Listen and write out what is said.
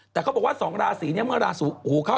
แต่เขาบอกว่าสองราศรีนี่เมื่อราศรีหูเข้า